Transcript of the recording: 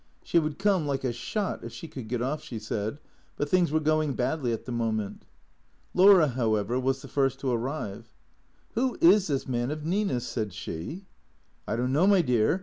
She would come like a shot, if she could get off, she said, but things were going badly at the moment. Laura, however, was the first to arrive. " ^\Tio is this man of Nina's ?" said she. " I don't know, my dear.